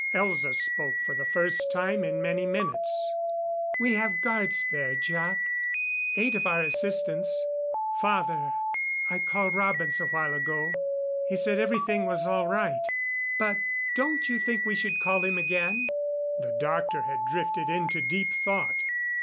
Elza spoke for the first time in many minutes. "We have guards there, Jac eight of our assistants.... Father, I called Robins a while ago. He said everything was all right. But don't you think we should call him again?" The doctor had drifted into deep thought.